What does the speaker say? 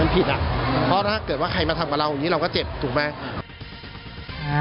เพราะถ้าเกิดว่าใครมาทำกับเราอย่างนี้เราก็เจ็บถูกไหม